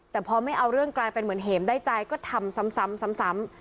แต่พอไม่เอาเรื่องกลายเป็นเหมือนเห็มได้ใจก็ทำซ้ำซ้ำซ้ำซ้ำ